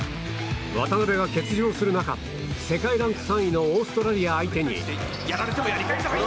渡邊が欠場する中世界ランク３位のオーストラリア相手に。